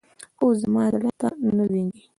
خو زما زړه ته نه لوېږي.